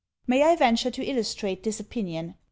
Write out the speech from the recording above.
May I venture to illustrate this opinion?